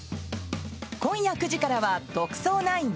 今夜９時からは「特捜９」。